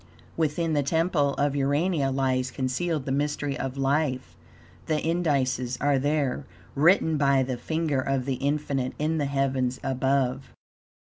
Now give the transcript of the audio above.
Within the temple of Urania lies concealed the mystery of life. The indices are there, written by the finger of the Infinite in the heavens above.